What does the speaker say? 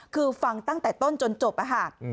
คือฟังตั้งแต่ต้นจนจบอะค่ะ